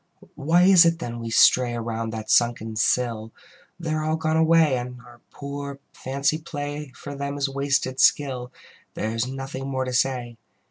Why is it then we stray Around that sunken sill? They are all gone away, And our poor fancy play For them is wasted skill: There is nothing more to say.